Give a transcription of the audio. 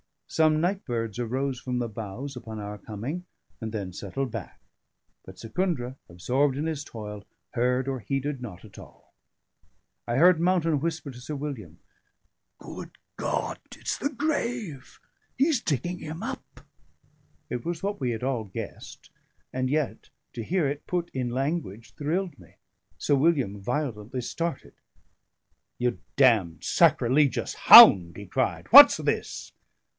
Some night birds arose from the boughs upon our coming, and then settled back; but Secundra, absorbed in his toil, heard or heeded not at all. I heard Mountain whisper to Sir William, "Good God! it's the grave! He's digging him up!" It was what we had all guessed, and yet to hear it put in language thrilled me. Sir William violently started. "You damned sacrilegious hound!" he cried. "What's this?"